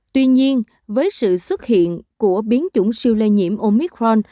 tuy nhiên với sự xuất hiện của biến chủng siêu lây nhiễm omicron